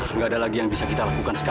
menurutmu dia memiliki perangkungan di muka